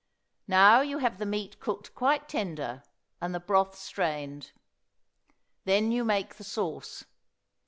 Now you have the meat cooked quite tender and the broth strained. Then you make the sauce.